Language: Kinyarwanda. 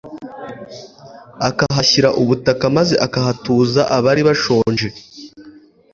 akahashyira ubutaka maze akahatuza abari bashonje